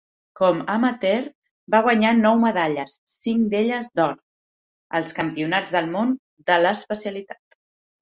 Com amateur, va guanyar nou medalles, cinc d'elles d'or, als Campionats del món de l'especialitat.